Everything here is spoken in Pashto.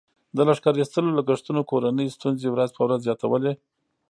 د لښکر ایستلو لګښتونو کورنۍ ستونزې ورځ په ورځ زیاتولې.